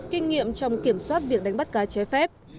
kinh nghiệm trong kiểm soát việc đánh bắt cá trái phép